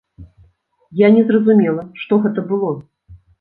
Я не зразумела, што гэта было.